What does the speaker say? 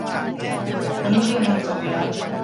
ฉันไม่ใช่มังสวิรัติ